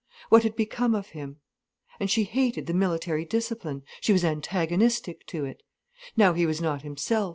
What had become of him? And she hated the military discipline—she was antagonistic to it. Now he was not himself.